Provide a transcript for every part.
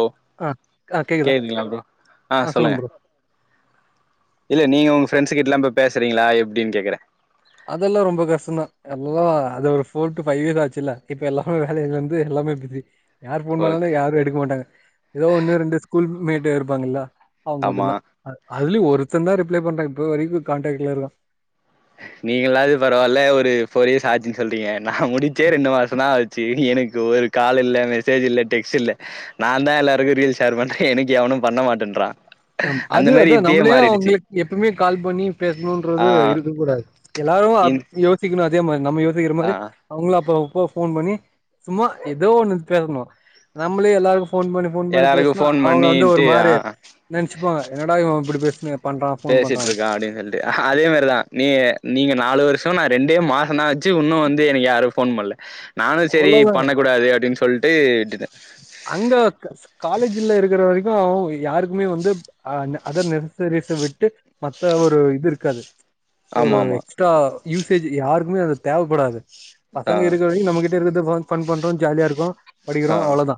ஓ ஆ ஆ கேக்குதா கேகுதுங்ளா ப்ரோ ஆ சொல்லுங்க ஃப்ரெண்ட்ஸ் கிட்டலா போயி பேசுறீங்ளா எப்டின்னு கேக்குறே அதெல்லா ரொம்ப கஷ்டோந்தா எல்லா அது ஒரு ஃபோர் டூ ஃபைவ் ஈயர்ஸ் ஆச்சுல்ல இப்ப எல்லாமே வேலைலந்து எல்லாமே பிஸி யார் ஃபோன் பண்ணாலு ஓகே யாரு எடுக்க மாட்டாங்க எதோ ஒன்னு ரெண்டு ஸ்கூல் மீட்டே இருப்பாங்கல அவுங் ஆமா மட்டுதா அதுலயு ஒரு தந்தே தா ரிப்ளே பண்றா இப்ப வரைக்கு காண்டாக்ட்ல இருக்கா நீங்களாது பரவால ஒரு ஃபோர் இயர்ஸ் ஆச்சின்னு சொல்றீங்க நா முடிச்சே ரெண்டு மாசோ தா ஆச்சி எனக்கு ஒரு கால் இல்ல மெசேஜ் இல்ல டெக்ஸ்ட் இல்ல நா தா எல்லாருக்கு ரீல் ஷேர் பண்றே எனக்கு எவனு பண்ண மாட்டேன்றா ஆமா அந்த அது மாரி அதா இப்பயே நம்ளே மாறிடுச்சு அவுங்ளுக்கு எப்பமே கால் பண்ணி ஆ பேசனுன்றது இருக் எல்லாரு அப் இந் யோசிகனு தேமா நம்ப யோசிக்கிற ஆ மாதிரி அவங்களு அப்ப இப்போ ஃபோன் பண்ணி சும்மா எதோ ஒன்னு பேசனு நம்ளே எல்லாருக்கு ஃபோன் பண்ணி ஃபோன் பண்ணி எல்லாருக்கு பேஸ்னா ஃபோன் அவங்க வந்து ஒரு பண்ணிட்டு ஆ மாரி ஆ நெனச்சிப்பங்க என்னடா இவெ இப்டி பேஸ்னா பேசிட்டு இருக்கா அப்டின்னு சொல்லி அதே மாரிதா நீ நீங்க நாலு வருஷோ நா ரெண்டே மாசோ தா ஆச்சி இன்னு வந்து எனக்கு யாரு ஃபோன் பண்ல நானு செரி அவ்ளோதா பண்ண கூடாது அப்டின் சொல் சொல்ட்டு விட்டுடே அங்க காலேஜ்ல இருக்குற வரைக்கு யாருக்குமே வந்து அந்த அத [unintelligible] விட்டு மத்த ஒரு இது இருக்காது ஒரு ஆமா ஆமா எக்ஸ்ட்ரா யூசேஜ் யாருக்குமே அது தேவப்படாது ஆ பசங்க இருக்க வரைக்கு நம்ப கிட்ட இருக்கது பன் பண்றோ ஜாலியா இருக்கோ படிக்கிறோ ஆ அவ்ளோதா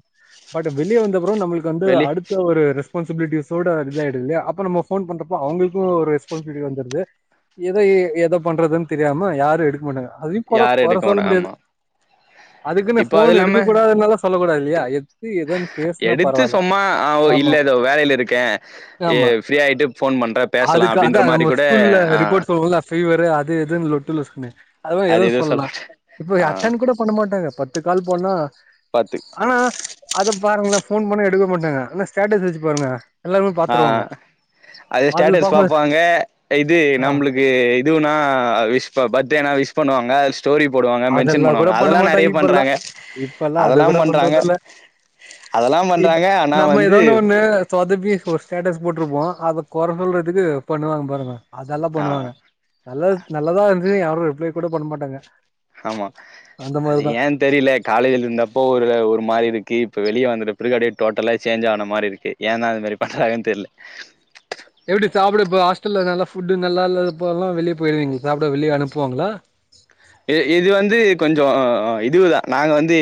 பட் வெளிய வந்து அப்றோ நம்ளுக்கு வந்து வெளி அடுத்த ஒரு ரெஸ் ரெஸ்பான்சிபிலிட்டிஸ்ஸோட இதா ஆயிடுது இல்லையா அப்ப நம்ப ஃபோன் பண்றப்போ அவுங்ளுக்கு ஒரு ரெஸ்பான்சிபிலிட்டி வந்துற்து எதை எத பண்றதுன்னு தெரியாம யாரு எடுக்க மாட்டாங்க அதையுகொட யாரு கொற எடுக்க சொல்ல மாட்டா முடியாது ஆமா அதுக்குன்னு இப்போ அது ஃபோன் இல்லாம எடுக்க கூடாதுனுலா சொல்லக்கூடாது [unintelligible] எதுன்னு பேசுனா எடுத்து பரவால்ல. சும்மா ஆமா, இல்ல இதோ வேலைல இருக்கே ஏ ஆமா. ஃப்ரீ ஆயிட்டு ஃபோன் பண்றே பேசலா அதுக்கு அப்டின்ற அதான் மாரி நம்ம குட ஸ்கூல்ல ஆ ரிப்போர்ட் மே அதுலா எதுவு சொல்ல இப்ப ஆ அட்டன் கூட பண்ண மாட்டாங்க பத் கால் போனா பத்து அத பாருங்களா போன் பண்ணா எடுக்க மாட்டாங்க ஆன ஸ்டேட்டஸ் வச்சு பாருங்க எல்லாருமே ஆ பாத்துருவாங்க. அது அதுல ஸ்டேட்டஸ் பாக்கும்போது பாப்பாங்க இது ஆ நம்மளுக்கு இதுனா விஷ் பர்டேனா விஷ் பண்ணுவ சங்க ஸ்டோரி போடுவாங்க மென்ஷன் அதெல்லாம் கூட பண்ணுவாங்க பண்ண அதெல்லாம் மாட்டாங்க நெறைய இப்பல்லாம். பண்றாங்க இப்பல்லாம் அத அதெல்லாம் கூட பண்றாங்க பண்றதில்ல. அதெல்லாம் இப்ப பண்றாங்க ஆனா நம்ம வந்து ஏதோன்னு ஒண்ணு சொதப்பி ஒரு ஸ்டேட்டஸ் போட்டுருப்போ அத கொற சொல்றதுக்கு பண்ணுவாங்க பாருங்க அதெல்லாம் ஆ பண்ணுவாங்க நல்லது நல்லதா இது யாரும் ரிப்ளை கூட பண்ண மாட்டாங்க ஆமா அந்த அது மாரிதா ஏன் தெரில காலேஜ்ல இருந்தப்போ ஒரு ஒரு மாரி இருக் இப்ப வெளியே வந்துட்ட பிறகு அப்டே டோட்டலா சேஞ் ஆன மாரி இருக்கு ஏன் அந்த மாரி பண்றாங்கன்னு தெர்ல எப்டி சாப்பிடப்ப ஹாஸ்டல்ல நல்லா ஃபுட்டு் நல்லா இல்லாதப்பலாம் வெளியே போயிருவீங் சாப்பிட வெளியே அனுப்புவாங்களா இது வந்து கொஞ்சோ இதுதான் நாங்க வந்து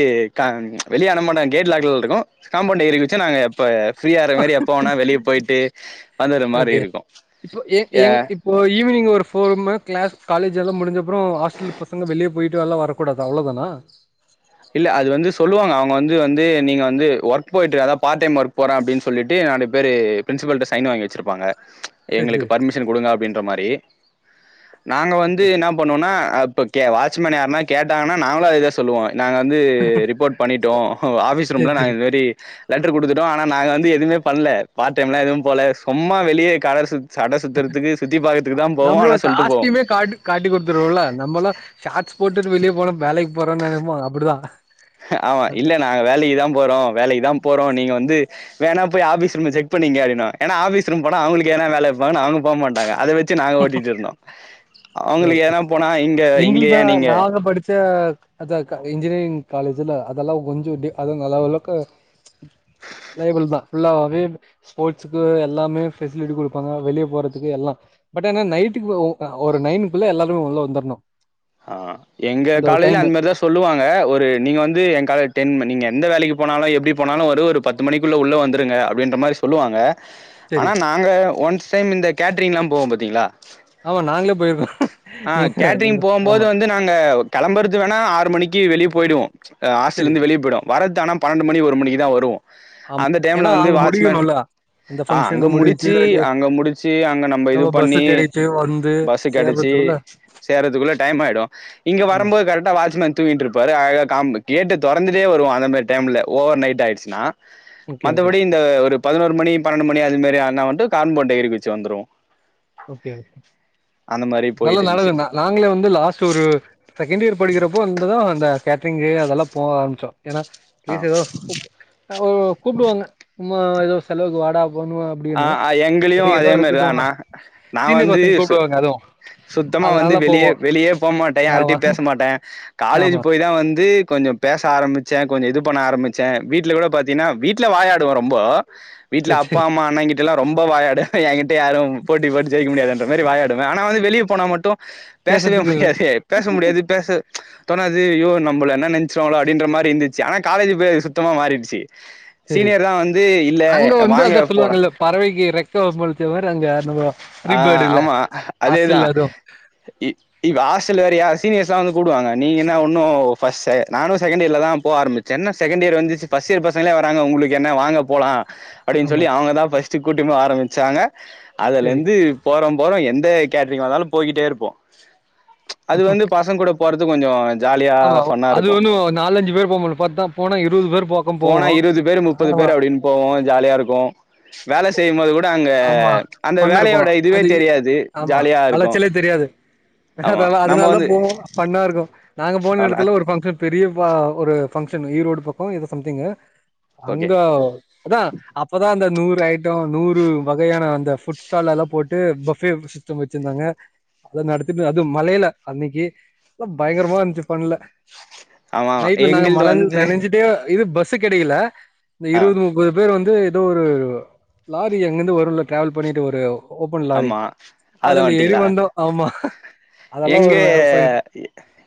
வெளிய அனுப்ப மாட்டாங் கேட் லாக்கல இருக்கோம் காம்பவுண்ட் ஏரி குதிச்சு நாங்க எப்ப ஃப்ரீயா ஆற மாரி எப்ப வேணா வெளிய போயிட்டு வந்துற மாரி ஓகே இருக்கு இப்போ ஏ இப்போ ஈவினிங் ஒரு [unintelligible] கிளாஸ் காலேஜ் எல்லாம் முடிஞ்ச அப்புறோ ஹாஸ்டல் பசங்க வெளிய போயிட்டு லாம் வரக்கூடாது அவ்ளதானா இல்ல அது வந்து சொல்லுவாங்க அவுங்க வந்து வந்து நீங்க வந்து ஒர்க் போயிட்டு அதாவது பார்ட் டைம் ஒர்க் போறே அப்படின்னு சொல்லிட்டு நறைய பேரு பிரின்சிபல்கிட்ட சைன் வாங்கி வச்சுருப்பாங்க சேரி எங்களுக்கு பர்மிஷன் கொடுங்க அப்டின்ற மாரி ஏ நாங்க வந்து சேரி என்ன பண்ணோனா அப்போ கே வாட்ச்மன் யருன்னா கேட்டாங்கன்னா நாங்களும் அதை இதான் சொல்லுவோ நாங்க வந்து ரிப்போர்ட் பண்ணிட்டோ ஆஃபீஸ் சேரி ரூம்ல நாங்க சேரி இந்தமாரி லெட்டரு கொடுத்துட்டோ ஆனால் நாங்க வந்து எதுவுமே பண்ணல பார்ட் டைம்லாம் எதுவும் போல சும்மா வெளியகட நம்மளோட ஆனா சொல்ட்டு போவோ காஸ்டூமே காட்டி கொடுத்துருவோம்ல நம்மள ஷார்ஸ் போட்டு வெளியே போன வேலைக்கு போறம்னு நெனைப்போ அப்டிதா ஆமா இல்ல நாங்க வேலைக்குதா போறோ வேலைக்குதா போறோ நீங்க வந்து வேணா ஆபிஸ் ரூம் செக் பண்ணிங்கடி ஆபிஸ் ரூம் போன அவுங்களுக்குன வேல அவுங்க போக மாட்டங்க அதைச்சு நாங்க ஓட்டிட்டு இருந்தோ அவுங்களுக்கு ஓகே. என்ன போனா இங்க இங்க ஏன் நீங்க அ இன்ஜினியரிங் காலேஜல அதெல்லாம் கொஞ்சோ அத ந அளவுக்கு லைபள் தான் ஃபுல்லாவே ஸ்போர்ட்ஸு்க எல்லாமே பெஃபசிலிட்டி கொடுப்பாங்க வெளியே போறதுக்கு எல்லாம் பட் ஏன்னா நைட்டுக்கு ஒரு நைனுக்குள்ள எல்லாருமே உள்ள வந்துரணு ஆ எங்க ஒரு காலேஜ்ல டைமு அந்த மாரிதா சொல்லுவாங்க ஒரு நீங்க வந்து எ காலஜ டென் நீங்க எந்த வேலைக்கு போனாலும் எப்படி போனாலும் வரும் ஒரு பத்து மணிக்குள்ள உள்ள வந்துடுங்க அப்டின்ற மாரி சொல்லுவாங்க ஆனா செரி நாங்க ஒன் சேம் இந்த கேட்ரிங்லாம் போவம் பாரத்தீங்களா ஆமா நாங்களே போயடுறோ நீங்க போது ஆமா வந்து நாங்க கிளம்புறது வேணா ஆறு மணிக்கு வெளிய போயிடுவோம் அ ஹாஸ்டல செரி இருந்து வெளிய போயிடும் வரதானம் பன்னெண்டு மணி ஒரு மணிக்குதா வருவோம் ஆமா அந்த டைம்ல ஏன்னா வந்து அங்க வாட்சமேன் முடிக்கணுல்ல அந்த ஃபங்க்ஷன் அங்க முடிஞ்சு முடிச்சு வெளிய அங்க முடிச்சு அங்க நம்ம இது பஸ்ஸு பண்ணி கெடைச்சு வந்து பஸ்ஸு கடைச்சி சேர்றதுக்குள்ள சேறதுக்குள்ள ஆயிடும் இங்க ஆமா வரம்போது கரெக்டா வாட்ச்மேன் தூங்கிட்டு இருப்பாரு [unintelligible] ஏட்ட தொறந்துட்டே வருவோம் அந்த மாரி டைம்ல ஓவர் நைட் ஆயிருச்சுனா ஓகே ஓகே மற்றபடி இந்த ஒரு பதினோரு மணி பன்னெண்டு மணி அது மாரி அண்ணா வந்து கார்ன்போடு ஏறி குதிச்சு வந்துருவோம் ஓகே ஓகே மாரி நல்ல போயிட்டு இருந்துச்சு [unintelligible] நாங்களு வந் லாஸ்ட் ஒரு செகண்ட் இயர் படிக்கிறப்போ வந்துதா அந்த கேட்டரிங்கு அதெல்லா போக ஆரம்பிச்சோம் ஏன்னா பீஸ் ஏதோ கூ கூப்பிடுவாங்க ம் ஏதோ செலவுக்கு வாடா [unintelligible] அ அப்டின்னு எங்களையு சரி ஏதோ அதே இருக்கட்டு மாரிதான்ண்ணா நான் சீனியர் வந்து பசங்க சு கூப்டுவாங்க அதுவு சுத்தமா வந்து அதனால போவோ வெளியே வெளியே போ மாட்டேன் ஆமா யாருட்டையு பேச மாட்டேன் காலேஜ் ஆமா போய்தா வந்து கொஞ்ச பேச ஆரம்பிச்சேன் கொஞ்ச இது பண்ண ஆரம்பிச்சேன் வீட்ல கூட பாத்தீங்கன்னா வீட்ல வாய் ஆடுவ ரொம்போ வீட்ல சரி அப்பா சரி அம்மா இப்பல்லாம் ரொம்போ வாய் ஆடி [unintelligible] யாரும் போட்டி போட்டு ஜயிக்க முடியாது என்ற மாரி வாய ஆனா வந்து வெளியே போனா மட்டும் பேசவே பேசுறதுக்கு முடியாது பேச முடியாது பேச தோனாது யோ நம்மள என்ன நெனச்சுருவாங்களோ அப்படின்ற மாரி இருந்துச்சு ஆனா காலேஜ் இப்போ சுத்தமா மாறிடுச்சு சரி சீனியர் தான் வந்து இல்ல அங்க வாங்க போலா [unintelligible] பறவைக்கு ரெக்க முலச்ச மாற அங்க [unintelligible] அ பேர்டு இல்ல ஆமா அதேதா ஹாஸ்டல்ல அதுவு இப்ப ஹாஸ்டல் வேறய சீனியர்ஸ் வந்து கூப்புடுவங்க நீங்க என்ன ஓன்னும் [unintelligible] நானும் செகண்ட் இயர்லதா போக ஆம்பிச்சனு செகண்ட் இயர் வந்துச்சு ஃப்ர்ஸ்ட் இயர் பசங்களே வராங்க உங்களுக்கு என்ன வாங்க போலா அப்படின்னு ஆமா சொல்லி அவங்கதா பஸ்ட் சு குட்டிமு ஆரமிச்சாங்க சரி அதலின் போறோம் போறோம் எந்த கேட்டரிங் வந்தாலும் போய்கிட்டே இருப்போம் அது வந்து பசங்க கூட போறத் து கொஞ்சோ ஜாலியா ஆமா ஃபன்னா அது இருக்கு ஒன்னு நாலஞ்சி பேரு போம்மாட்டோ பாத்தா போனா இருவது பேரு பாக்கோம் போனா போவோ ஆமா லா வேல செய்யும்போது கூட அங்க ஆமா அங்க வேலையோட பண்ணிருக்கோம். இதுவே அது தெரியாது ஜாலியாருக்கு அதெல்லா அதனால தா போவோ ஃபன்னாருக்கு நாங்க போன வரலா எடத்துல ஒரு பங்க்ஷன் பெரிய ப ஒரு பங்க்ஷனு ஈரோடு பக்கோ எதோ சம்திங்கு ஓகே அங்க அதா அப்பதா அந்த நூறு ஐ நூறு வகையான அந்த ஃபுட் ஸ்டால் அதல்லா போட்டு பஃபே சிஸ்டம் வெச்சிருந்தாங்க அத நடத்தட்டு அது மழையில அன்னிக்கு பயங்கரமா இருந்துச்சி ஃபன்ல ஆமா ஆமா நைட்ல நாங்க எங்கள்து மழ வந்து நெனஞ்சிட்டே இது பஸ்ஸு கெடைக்கல இந்த ஆ இருவது முப்பது பேர் வந் து எதோ ஒரு லாரி எங்கிருந்து வருல்ல ட்ராவல் பண்ணிட்டு ஒரு ஓப்பன் லாரி. ஆமா அதல அதுல ஏறி வன்டீங்களா வந்தோம். ஆமா. அதெல்லா எங்க ஒரு ஃபைட்.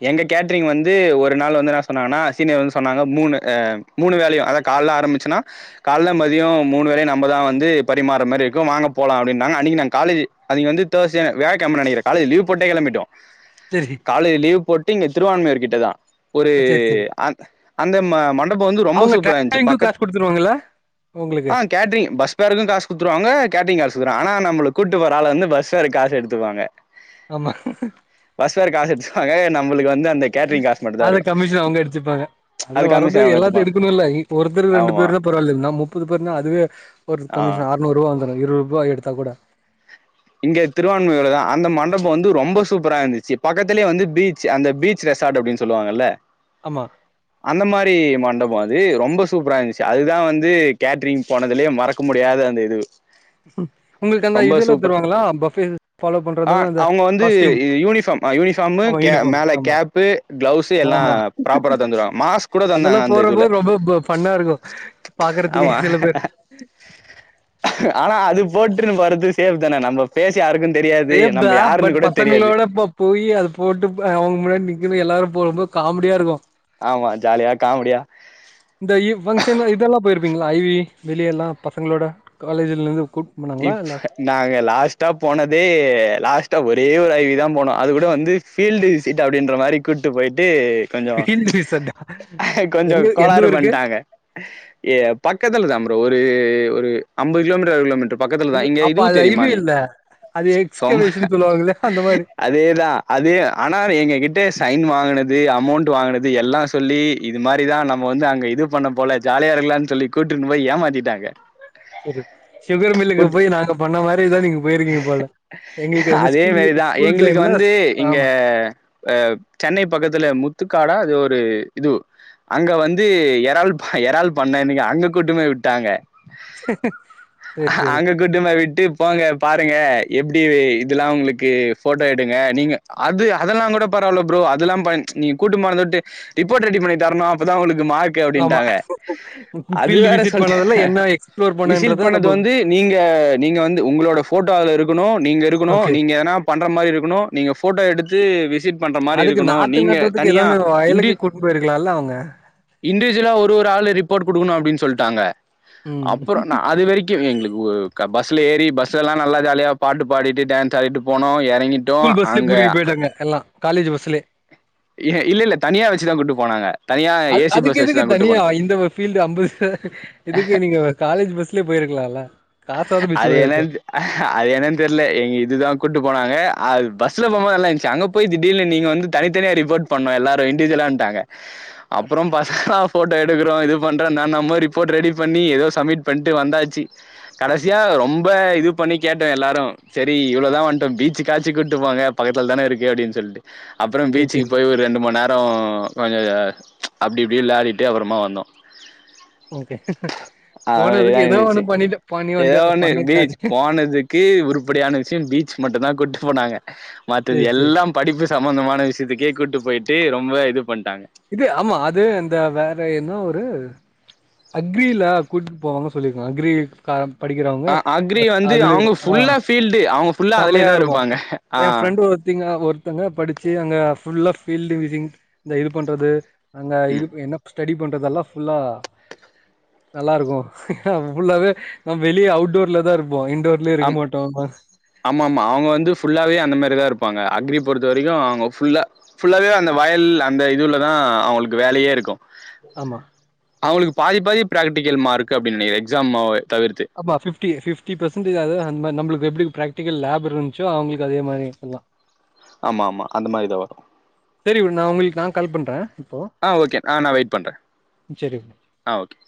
எங்க கேட்ரிங் வந்து ஒரு நாள் வந்து நா சொன்னாங்கனா சீனியர் வந்து சொன்னாங்க மூனு அ மூனு வேளையு அதா கால்ல ஆரம்பிச்சனா கால்ல மதியோ மூனு வேளையு நம்ப தா வந்து பரிமாற மாரி இருக்கு வாங்க போலா அப்டீன்டாங்க அன்னிக்கு நான் காலேஜ அங்க வம் நினைிறே காலே லவ் போட்ட கிம்பட்டம் சரி காலேஜ் லீவ் போட்டு இங்க திருவான்மையூர்கிடட் ட தா ஒரு சரி சரி அந் அந்த ம மண்டபோ வந்து ரொம்ப அவங்க சூப்பரான்ச்சி டிராவலிங்கு பக்கத் காசு குடுத்துருவாங்களா உங்களுக்கு ஆ கேட்ரிங் பஸ் பேருக்கும் காசு குத்துருவாங்க கேட்ரிங் காசு குத்துருவாங்க ஆனா நம்மளுக் கூட்டு போற ஆளு வந்து பஸ் ஃபேர்க்கு காசு எடுத்துப்பாங்க ஆமா பஸ் ஃபேர் காசு எடுத்துப்பாங்க நம்மளுக்கு வந்து அந்த கேட்ரிங் காசு மட்டும் தான் அத இருக்கும் கமிஷன் அவுங்க எடிச்சுப்பாங்க அது அதுல வர்றது கமிஷன் அவங்க எல்லாத்தையு எடுத்துப்பாங்க எடுக்கணுல்ல இப்ப ஒருத்தர் ரெண்டு ஆமா பேரு பரவால்ல நாம் முப்பது பேருனா அதுவே ஒரு ஆ கமிஷன் ஆற்நூருவா வந்து இருவற்ரூபா எடுத் தாகுட இங்க திருவான்மியூர்லதா அந்த மண்டபோ வந்து ரொம்ப சூப்பரா இருந்துச்சி பக்கத்துலேயே வந்து பீச் அந்த பீச் ரெசார்ட்டு அப்டின் சொல்லுவாங்கல்ல ஆமா அந்த மாரி மண்டபோ அது ரொம்ப சூப்பர இருந்துச்சி அதுதா வந்து கேட்ரிங் போனதுலயே மறக்க முடியாத அந்த இதுவு உங்களுக்கு அந்த இதுலா தருவாங்கள ஆ அவுங்க வந்து காஸ்டியூம் யூனிஃபாம் யூனிஃபாமு ஆமா கே யூனிஃபார்ம் மேல ஆமா கேப்பு கிளவுஸ்ஸு எல்லா ஆமா ப்ராப்பரா தந்துருவாங்க மாஸ்க் கூட அதெல்லா தந்தாங்க அந்த போறப்போ இதுல ரொம்ப ப ஃபன்னா இருக்கு ஆமா பாக்குறதுக்கு சில பேர் ஆனா அது போட்றுன் போறது சேஃப் தான நம்ப ஃபேஸ் யாருக்கு தெரியாது பேப்ப நம்ம பட் யாருன்னு கூட தெரியாது பசங்களோடப்ப போயி அது போட்டுப்ப அவுங்க முன்னாடி நி க்கிற எல்லாரு போட்ரப்போ காமெடியா இருக்கு ஆமா ஜாலியா காமெடியா இந்த இ ஃபங்க்ஷன்லா இதெல்லா போயிருப்பீங்களா ஐ வி வெளியல்லா பசங்களோட காலேஜ்லருந்து இப்ஸ் நாங்க லாஸ்ட்டா போனதே லாஸ்ட்டா ஒ ரே ஒரு ஐ வி தான் போனோ அது கூட வந்து ஃபீல்டு விசிட் அப்படின்ற மாரி கூட்டு போயிட்டு கொஞ்சொ ஃபீல்ட் ரிசர்டா கொஞ்சொ எங்க எந்த கோளாறு ஊருக்கு பண்ட்டாங்க எ பக்கத்து தா ப்ரோ ஒரு ஒரு ஒரு ஐம்ப ஹஜ் கிலோமீட்டர் அறு கிலோமீட்டர் பக்கத்துலதா இங்க அப்ப இதுவு அது தெரியுமா ஐவி நீ இல்ல அது சொம் எக்ஸ்கவேஷன் சொல்லுவாங்களே அந்த மாரி அதேதான் அது ஆனா எங்க கிட்ட சைன் வாங்குனது அ அமௌண்ட் வாங்குனது எல்லா சொல்லி இது மாரிதா நம்ம வந்து அங்க இது பண்ண போல ஜாலியா இருக்கலாம்னு சொல்லி கூட்டுன் போய் ஏமாத்திட்டாங்க செரு குட் நீங்க போயிருக்கீங்க போல எங்களுக்கு எந்த அதே ஸ்கூல் மேரிதா ஸ்கூல் எங்களுக்கு டைம்ல வந்து இங்க ஆமா அ சென்னை பக்கத்துல முத்துக்காடா அது ஒரு ஒரு இது அங்க வந்து எறாள் எறாள் பண்ணனு அங்க கூட்டு போய் விட்டாங்க சரி சரி அங்க கூட்டு போய் விட்டு போங்க பாருங்க எப்டி இதெல்லாம் ஒங்களுக்கு போட்டோ எடுங்க நீங்க அது அதெல்லாம் கூட பரவல ப்ரோ அதெல்லாம் ப நீங்க கூட்டு போனத வுட்டு ரிப்போர்ட் ரெடி பண்ணி தரணும் அப்பதா உனக்கு ஆமா அது ஃபீல்டு வேற விசிட் பண்ணதுல என்ன எக்ஸ்ப்ளோர் பண்ணன்றத அது நம்ம வந்து நீங்க நீங்க வந்து உங்களோட போட்டோ அதுல இருக்கணு நீங்க இருக்கணும் ஓகே நீங்க எனா பண்ற மாரி இருக்கணு நீங்க போட்டோ எடுத்து வி அதுக்கு நாத்து நட்டுறதுக்கு ஏதன்ன வயலுக்கு கூட்டுன் போயிருக்கலால்ல அவுங்க [unintelligible] இண்டடிவிஜுவலா ஒரு ஒரு ஆளு ரிப்போர்ட் குடுக்கணு அப்டின் சொல்லிட்டாங்க ம் அப்புறோ நா அது வரைக்கு எங்களுக் கு க பஸ்ல ஏறி பஸ் எல்லா நல்லா ஜாலியா பாட்டு பாடிட்டு டான்ஸ் ஆடிட்டு போனோ எ ஸ்கூல் பஸ்லே கூட்டிட்டு போயிட்டாங்க எல்லா காலேஜ் பஸ்லே இல்ல இல்ல தனியா வச்சுதா கூட்டு போனாங்க தனியா அ ஏசி அதுக்கு பஸ் எதுக்கு வச்சுதா கூட்டு போனாங்க தனியா இந்த ஃபீல்டு ஐம்பது எதுக்கு நீங்க காலேஜ் பஸ்லே போயிரு க்லால அது என்னன்னு அது என்னன்னு தெரில எங்க இதுதா கூட்டு போனாங்க அது பஸ்ல போம் போது நல்லாந்துச்சு அங்க போய் திடீர்னு நீங்க வந்து தனித்தனியா ரிப்போர்ட் பண்ணோ எல்லாரு இன்டிவிஜுவலான்ட்டாங்க அப்புறோ பஸ்ஸா போட்டோ எடுக்றோ இது பண்றோ நா நம்மோ ரிப்போர்ட் ரெடி பண்ணி ஏதோ சமிட் பண்ணிட்டு வந்தாச்சு கடைசியா ரொம்ப இது பண்ணி கேட்டோ எல்லாரு செரி இவ்வளோ துரோ வந்துட்டோம் பீச்சுகாச்சு கூட்டு போங்க பக்கத்துல தான இருக்கு அப்டின் சொல்லிட்டு அப்புறோ சரி பீச்சுக்கு சரி போய் ஒரு ரெண்டு மணி நேர அப்புறோ கொஞ்ச அப்டி இப்டி வெளாடிட்டு அப்புறமா வந்தோ ஓகே அது போனதுக்கு மாரிதா ஏதோ ஒன்னு இருந்துச்சு பண்ணிடோ பண் ஏதோ ஒண்ணு பீச் போனதுக்கு உருப்படியான விஷயம் பீச் மட்டு தா கூட் போனாங்க மத்தது சரி எல்லா படிப்பு ச சம்பந்தமான விஷயத்துக்கே கூட்டு போய்ட்டு ரொம்ப இது பண்ட்டாங்க இது ஆமா அது அந்த வேற என்ன ஒரு டு அக்ரில கூடிட்டு போவாங்கு சொல்லியிருக்காங்க அக்ரி கா அ அக்ரி வந்து அவங்க ஃபுல்லா ஃபீல்டு அவங்க ஃபுல்லா செமையா அதுலேதா இருப்பாங்க ஆ ஒருதங்க படிச்சு அங்க ஃபுல்லா பீல்டு விசிடிங் இந்த இது பண்றது அங்க இது ம் என்னப் ஸ்டெடி பண்ணுறதெல்லா ஃபுல்லா நல்லா இருக்கு ஆமா ஃபுல்லாவே ஆ வெளியே அவுட்டோர்ல தா இருப் அம் ஆமா ஆமா அவங்க வந்து ஃபுல்லாவே அந்த மாரி தா இருப்பாங்க அக்ரி பொறுத்த வரைக்கு அவங்க ஃபுல்லா ஃபுல்லாவே அந்த வயல் அந்த இதுல தா அவங்களுக்கு வேலையே இருக்கு அமா அவங்களுக்கு பாதி பாதி ப்ராக்டிகல் மார்க் அப்படினு நெனைக்கற எக்ஸாம்மாவே ஆமா ஃபிட்டி ஃபிப் ஃபிப்டி பெர்சென்டஜ் அது அந்த மா நமளுக்கு எப்டி ப்ரெக்டிகல் லேப் இருந்ச்சோ அவங்களுக்கு அதே மாரி சொல்லால ஆமா ஆமா அந்த மாரிதா வரு சரி விட நா உங்களுக்கு நா கால் பண்றே இப்போ ஆ ஓகே ஆ நா வெயிட் பண்றே சரி விடு. ஆ ஓகே